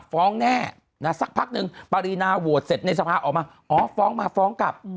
ฟ้องแน่สักพักนึงปรินาโหวตเสร็จในสภาออกมาอ๋อฟ้องมาฟ้องกลับ